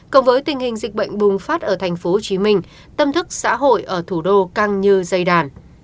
cộng với tình hình dịch bệnh bùng phát ở thành phố hồ chí minh tâm thức xã hội ở thủ đô căng như dây đàn